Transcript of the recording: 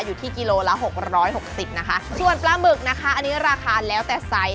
อยู่ที่กิโลละหกร้อยหกสิบนะคะส่วนปลาหมึกนะคะอันนี้ราคาแล้วแต่ไซส์